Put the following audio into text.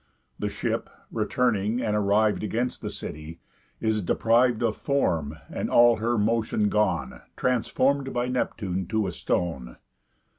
The ship (returning, and arriv'd Against the city) is depriv'd Of form, and, all her motion gone, Transform'd by Neptune to a stone.